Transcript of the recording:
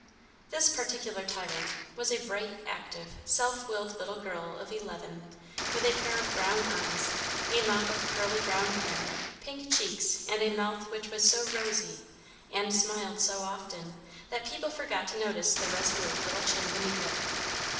This particular tyrant was a bright, active, self willed little girl of eleven, with a pair of brown eyes, a mop of curly brown hair, pink cheeks, and a mouth which was so rosy and smiled so often that people forgot to notice the resolute little chin beneath it.